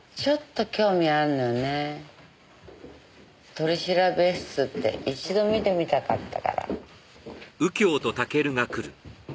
取調室って一度見てみたかったから。